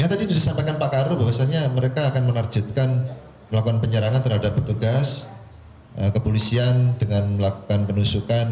yang tadi disampaikan pak karu bahwasannya mereka akan menarjetkan melakukan penyerangan terhadap petugas kepolisian dengan melakukan penusukan